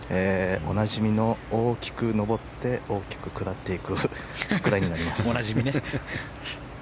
おなじみの、大きく上って大きく下っていくおなじみね。